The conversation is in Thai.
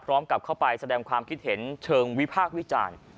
พร้อมกลับเข้าไปแสดงความคิดเห็นเชิงวิภาควิจารณ์